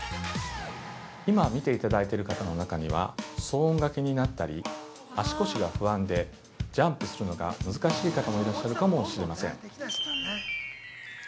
◆今見ていただいてる方の中には騒音が気になったり足腰が不安で、ジャンプするのが難しい方もいらっしゃるかもしれません。